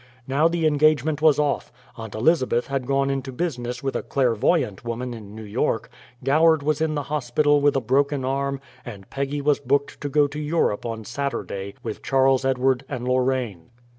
Now the engagement was off; Aunt Elizabeth had gone into business with a clairvoyant woman in New York; Goward was in the hospital with a broken arm, and Peggy was booked to go to Europe on Saturday with Charles Edward and Lorraine.